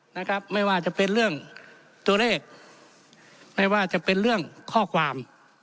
นะครับไม่ว่าจะเป็นเรื่องตัวเลขไม่ว่าจะเป็นเรื่องข้อความ